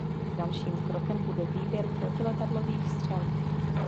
Dalším krokem bude výběr protiletadlových střel.